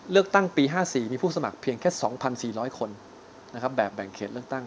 เลือกตั้งปี๕๔มีผู้สมัครเพียงแค่๒๔๐๐คนแบบแบ่งเขตเลือกตั้ง